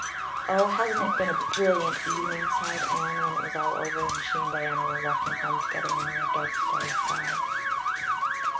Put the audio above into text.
"Oh, hasn't it been a brilliant evening?" sighed Anne, when it was all over and she and Diana were walking home together under a dark, starry sky.